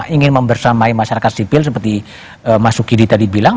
ingin membersamai masyarakat sipil seperti mas sukidi tadi bilang